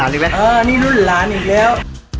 นี่รุ่นหลานอีกแล้ว